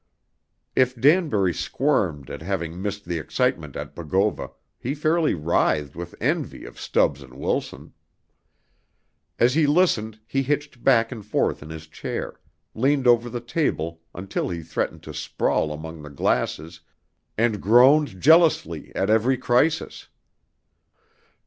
If Danbury squirmed at having missed the excitement at Bogova, he fairly writhed with envy of Stubbs and Wilson. As he listened he hitched back and forth in his chair, leaned over the table until he threatened to sprawl among the glasses, and groaned jealously at every crisis.